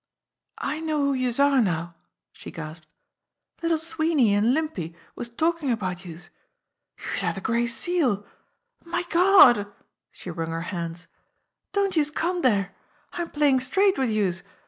"I know who youse are now," she gasped. "Little Swee ney an' Limpy was talkin' about youse. Youse are de Gray Seal! My Gawd!" She wrung her hands. "Don't youse MOTHER MARGOT 63 come dere! I'm playin' straight wid youse.